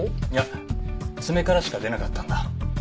いや爪からしか出なかったんだ。